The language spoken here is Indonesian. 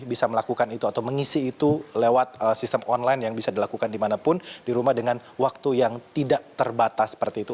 bisa melakukan itu atau mengisi itu lewat sistem online yang bisa dilakukan dimanapun di rumah dengan waktu yang tidak terbatas seperti itu